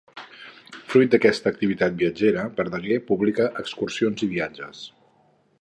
Fruit d'aquesta activitat viatgera, Verdaguer publica Excursions i viatges.